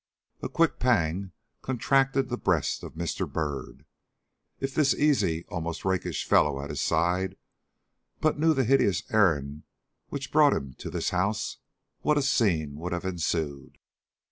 A quick pang contracted the breast of Mr. Byrd. If this easy, almost rakish, fellow at his side but knew the hideous errand which brought him to this house, what a scene would have ensued!